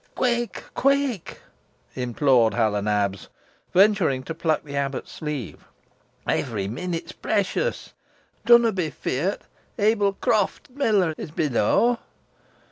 "Quick! quick!" implored Hal o' Nabs, venturing to pluck the abbot's sleeve. "Every minute's precious. Dunna be feert. Ebil Croft, t' miller, is below.